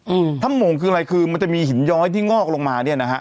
อืมถ้ำโมงคืออะไรคือมันจะมีหินย้อยที่งอกลงมาเนี้ยนะฮะ